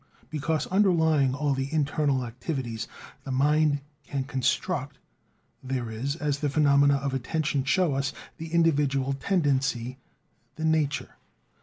Because, underlying all the internal activities the mind can construct, there is, as the phenomena of attention show us, the individual tendency, the "nature."